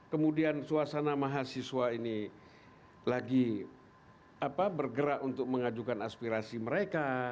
kemudian suasana mahasiswa ini lagi bergerak untuk mengajukan aspirasi mereka